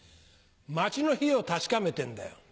街の灯を確かめてんだよ。